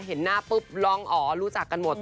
เห็นหน้าปุ๊บร้องอ๋อรู้จักกันหมด